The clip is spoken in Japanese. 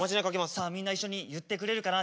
さあみんな一緒に言ってくれるかな？